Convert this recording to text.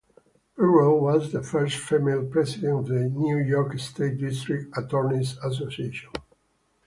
Pirro was the first female president of the New York State District Attorneys Association.